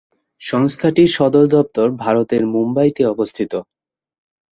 সংস্থাটির সদরদপ্তর ভারতের মুম্বাইতে অবস্থিত।